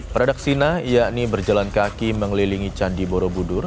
pradaksina yakni berjalan kaki mengelilingi candi borobudur